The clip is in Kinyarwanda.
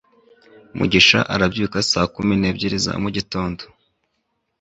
mugisha arabyuka saa kumi n'ebyiri za mugitondo